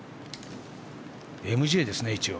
ＭＪですね、一応。